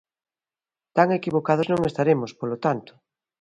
Tan equivocados non estaremos, polo tanto.